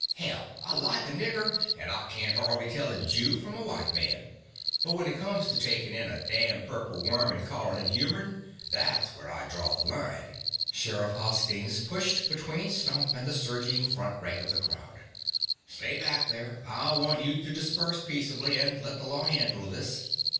Hell, I like a nigger and I can't hardly tell a Jew from a white man. But when it comes to takin' in a damned purple worm and callin' it humern that's where I draw the line." Sheriff Hoskins pushed between Stump and the surging front rank of the crowd. "Stay back there! I want you to disperse, peaceably, and let the law handle this."